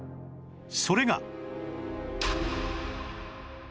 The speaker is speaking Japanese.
それが